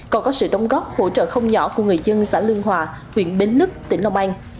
còn có sự đóng góp hỗ trợ không nhỏ của người dân xã lương hòa huyện bến lức tỉnh long an